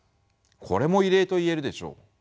これも異例と言えるでしょう。